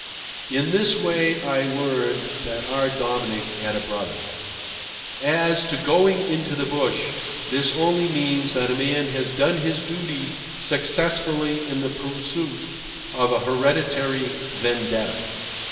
In this way I learned that our Dominic had a brother. As to "going into the bush," this only means that a man has done his duty successfully in the pursuit of a hereditary vendetta.